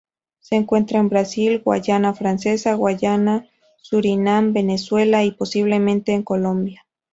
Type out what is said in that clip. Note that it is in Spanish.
Se encuentra en Brasil, Guayana Francesa, Guyana, Surinam, Venezuela y, posiblemente, en Colombia.